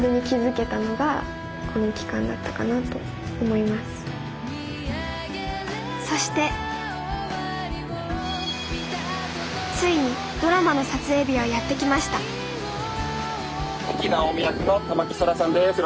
本当にそしてついにドラマの撮影日はやって来ました関直美役の田牧そらさんです。